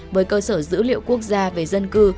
với cơ sở dữ liệu quốc gia về dân cư